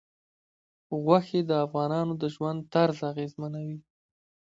غوښې د افغانانو د ژوند طرز اغېزمنوي.